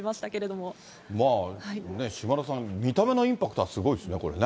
まあ、ね、島田さん、見た目のインパクトはすごいですね、これね。